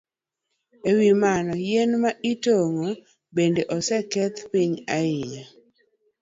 E wi mano, yien ma itong'o bende oseketho piny ahinya.